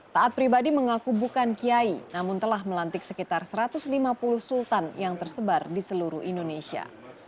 taat pribadi mengaku bukan kiai namun telah melantik sekitar satu ratus lima puluh sultan yang tersebar di seluruh indonesia